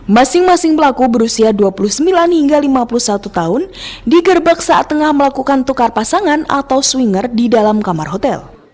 masing masing pelaku berusia dua puluh sembilan hingga lima puluh satu tahun digerbek saat tengah melakukan tukar pasangan atau swinger di dalam kamar hotel